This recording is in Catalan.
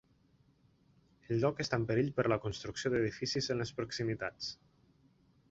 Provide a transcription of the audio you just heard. El lloc està en perill per la construcció d'edificis en les proximitats.